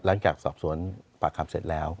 หลังจากสอบสวนปากคำเสร็จแล้ว